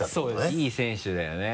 いい選手だよね。